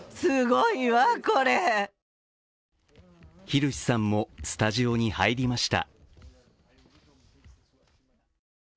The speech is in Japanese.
ヒルシさんもスタジオに入りました。